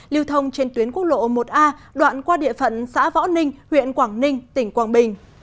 lưu thông trên tuyến quốc lộ một a đoạn qua địa phận xã võ ninh huyện quảng ninh tỉnh quảng bình